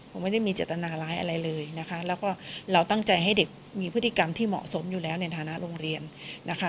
ผมไม่ได้มีเจตนาร้ายอะไรเลยนะคะแล้วก็เราตั้งใจให้เด็กมีพฤติกรรมที่เหมาะสมอยู่แล้วในฐานะโรงเรียนนะคะ